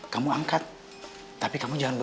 kamu gua udah sudah biasa deh gini aja